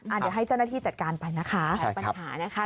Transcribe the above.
อาจจะให้เจ้าหน้าที่จัดการไปนะคะ